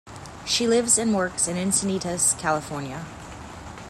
She lives and works in Encinitas, California.